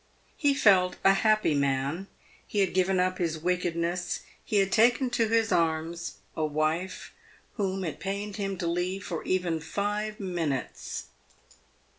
He felt a happy man. He had given up his wickedness ; he had taken to his arms a wife whom it pained him to leave for even five minutes.